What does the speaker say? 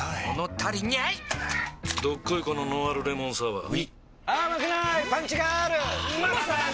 どっこいこのノンアルレモンサワーうぃまさに！